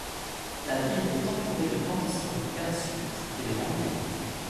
La ville est entourée de plantations de canne à sucre et de manguiers.